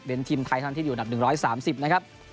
เป็นทีมไทยเท่านั้นที่อยู่อันดับ๑๓๐นะครับ